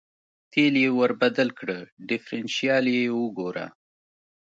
تېل یې ور بدل کړه، ډېفرېنشیال یې وګوره.